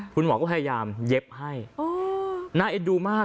คุณหมอก็พยายามเย็บให้น่าเอ็นดูมาก